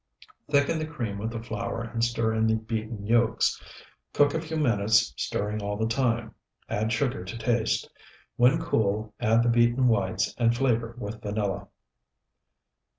Thicken the cream with the flour and stir in the beaten yolks. Cook a few minutes, stirring all the time. Add sugar to taste. When cool, add the beaten whites, and flavor with vanilla.